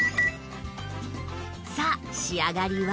さあ仕上がりは？